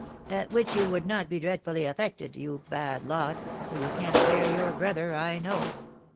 "At which you would not be dreadfully affected, you bad lot, for you can't bear your brother, I know."